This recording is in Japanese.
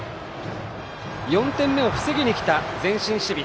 ４点目を防ぎにきた前進守備。